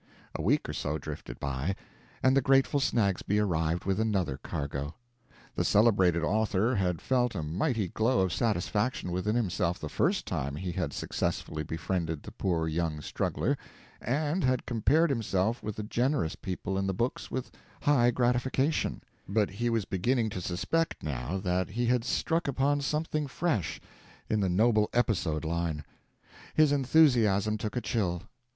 A week or so drifted by, and the grateful Snagsby arrived with another cargo. The celebrated author had felt a mighty glow of satisfaction within himself the first time he had successfully befriended the poor young struggler, and had compared himself with the generous people in the books with high gratification; but he was beginning to suspect now that he had struck upon something fresh in the noble episode line. His enthusiasm took a chill.